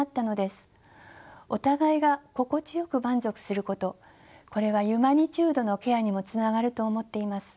お互いが心地よく満足することこれはユマニチュードのケアにもつながると思っています。